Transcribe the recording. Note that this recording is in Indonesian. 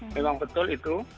memang betul itu